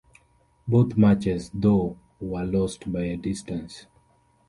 Both matches, though, were lost by a distance.